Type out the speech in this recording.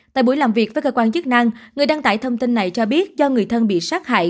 tại buổi làm việc với cơ quan chức năng người đăng tải thông tin này cho biết do người thân bị sát hại